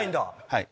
はい。